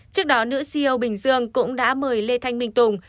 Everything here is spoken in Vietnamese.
trước đó nữ ceo bình dương cũng đã mời lê thanh minh tùng